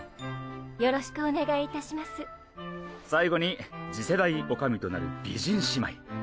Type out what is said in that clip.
最後に次世代女将となる美人姉妹。